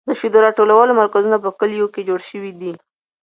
د شیدو راټولولو مرکزونه په کلیو کې جوړ شوي دي.